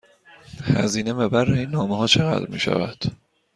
هزینه مبر این نامه ها چقدر می شود؟